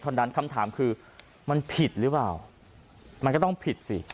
คำถามคือมันผิดหรือเปล่ามันก็ต้องผิดสิ